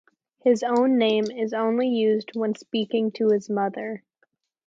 His own name is only used when speaking to his mother.